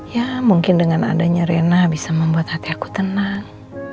ya mungkin dengan adanya rena bisa membuat hati aku tenang